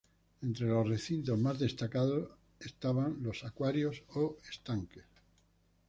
Entre los recintos más destacados estaban los acuarios o estanques.